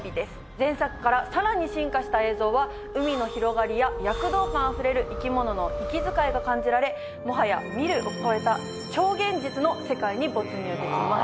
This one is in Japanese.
前作からさらに進化した映像は海の広がりや躍動感あふれる生き物の息遣いが感じられもはや「観る」を超えた超現実の世界に没入できます。